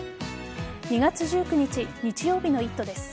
２月１９日日曜日の「イット！」です。